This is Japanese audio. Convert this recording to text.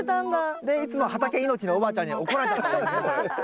でいつも畑命のおばあちゃんに怒られたというねこれ。